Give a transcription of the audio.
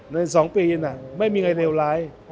ใน๒ปีน่ะไม่มีไงเลวร้าย